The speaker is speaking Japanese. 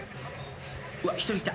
うわっ１人来た。